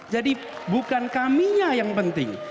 jadi bukan kaminya yang penting